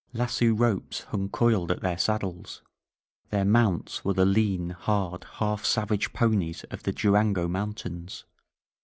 Lasso ropes hung coiled at their saddles. Their mounts were the lean, hard, half savage ponies of the Durango mountains.